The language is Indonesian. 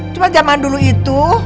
cuma jaman dulu itu